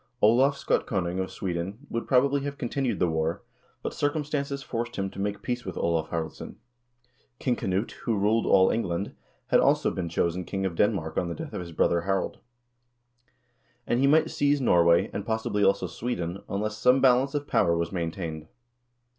Olav Skotkonung of Sweden would, probably, have continued the war, but circum stances forced him to make peace with Olav Haraldsson King Knut, who ruled all England, had also been chosen king of Denmark on the death of his brother Harald ; and he might seize Norway and, possibly, also Sweden unless some balance of power was maintained.